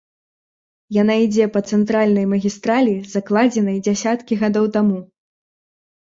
Яна ідзе па цэнтральнай магістралі, закладзенай дзясяткі гадоў таму.